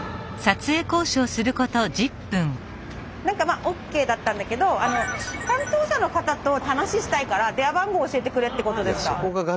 何かまあＯＫだったんだけど担当者の方と話したいから電話番号教えてくれってことでした。